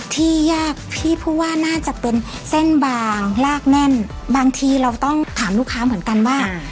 ที่ยากพี่พูดว่าน่าจะเป็นเส้นบางลากแน่นบางทีเราต้องถามลูกค้าเหมือนกันว่า